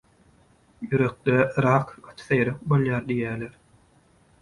Ýürekde rak gaty seýrek bolýar diýýärler.